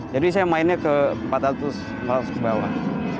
jadi saya mainnya ke empat ratus lima ratus ke bawah